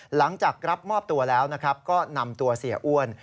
หลังจากรับมอบตัวแล้วนะครับก็นำตัวเสียอ้วน